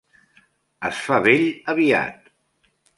Es fa vell aviat.